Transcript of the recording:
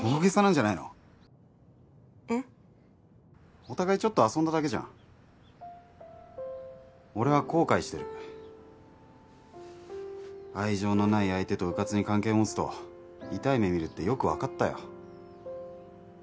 お互いちょっと遊んだだけじゃん俺は後悔してる愛情のない相手とうかつに関係持つと痛い目見るってよく分かったよ